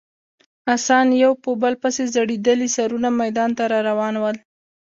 اسان یو په بل پسې ځړېدلي سرونه میدان ته راروان ول.